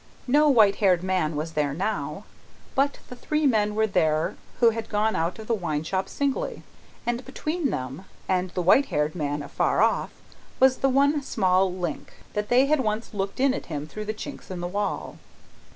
No white haired man was there now; but, the three men were there who had gone out of the wine shop singly. And between them and the white haired man afar off, was the one small link, that they had once looked in at him through the chinks in the wall.